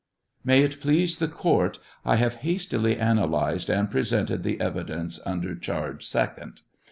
May it please the court, I have hastily analyzed and presented the evidence under charge second.